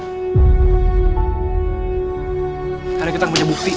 tapi gue tahu ini bakal susah bagi kita untuk dapatkan keadilan